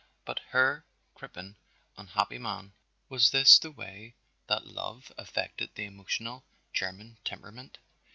But Herr Crippen, unhappy man, was this the way that love affected the emotional German temperament?